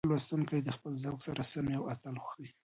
هر لوستونکی د خپل ذوق سره سم یو اتل خوښوي.